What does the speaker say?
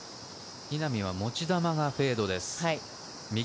稲見は持ち玉がフェードです。